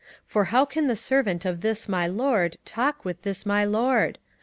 27:010:017 For how can the servant of this my lord talk with this my lord?